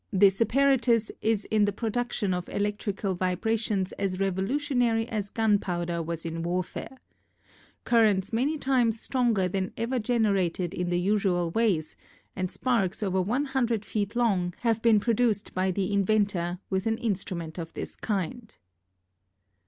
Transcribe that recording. This apparatus is in the production of electrical vibrations as revolutionary as gunpowder was in warfare. Cur rents many times stronger than any ever generated in the usual ways, and sparks over one hundred feet long, have been produced by the inventor with an instrument of this kind.